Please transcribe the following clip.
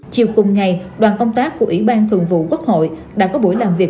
chiều cùng ngày đoàn công tác của ủy ban thường vụ quốc hội đã có buổi làm việc